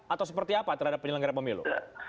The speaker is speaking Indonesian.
atau seperti apa terhadap penyelenggara pemilu